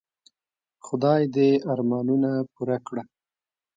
خدای دي ارمانونه پوره کړه .